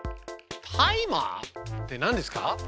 「タイマー」って何ですか？